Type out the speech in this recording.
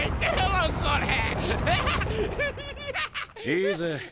いいぜ。